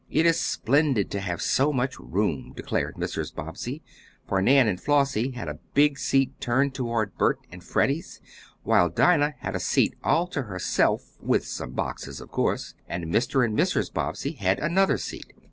"It is splendid to have so much room," declared Mrs. Bobbsey, for Nan and Flossie had a big seat turned towards Bert and Freddie's, while Dinah had a seat all to herself (with some boxes of course), and Mr. and Mrs. Bobbsey had another seat.